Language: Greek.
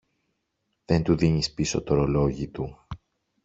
δεν του δίνεις πίσω τ' ωρολόγι του